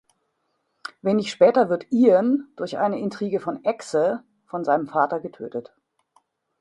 Wenig später wird Ian durch eine Intrige von „Echse“ von seinem Vater getötet.